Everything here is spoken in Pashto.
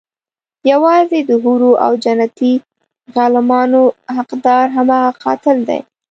يوازې د حورو او جنتي غلمانو حقدار هماغه قاتل دی.